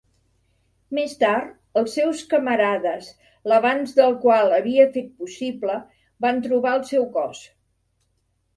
Més tard, els seus camarades, l'avanç del qual havia fet possible, van trobar el seu cos.